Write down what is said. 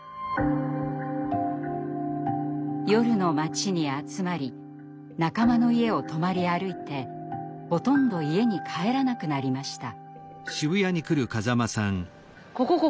夜の街に集まり仲間の家を泊まり歩いてほとんど家に帰らなくなりました。